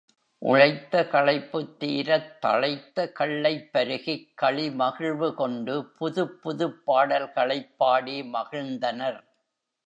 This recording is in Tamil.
உழைத்த களைப்புத் தீரத் தழைத்த கள்ளைப் பருகிக் களி மகிழ்வு கொண்டு புதுப் புதுப்பாடல்களைப் பாடி மகிழ்ந்தனர்.